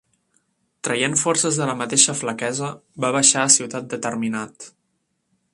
Traient forces de la mateixa flaquesa, va baixar a ciutat determinat